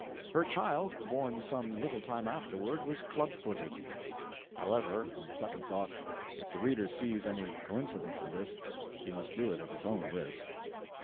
Her child, born some little time afterward, was club footed. However—on second thought,—if the reader sees any coincidence in this, he must do it at his own risk.